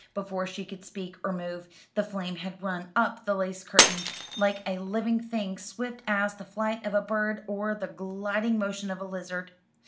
Before she could speak or move, the flame had run up the lace curtain, like a living thing, swift as the flight of a bird or the gliding motion of a lizard.